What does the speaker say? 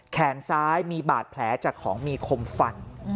แขนซ้ายมีบาดแผลจากของมีคมฟัน